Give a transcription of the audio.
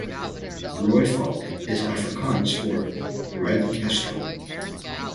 "Rooivalk" is Afrikaans for "Red Kestrel".